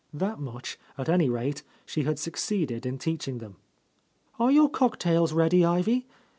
That much, at any rate, she had succeeded in teaching them. "Are your cocktails ready. Ivy?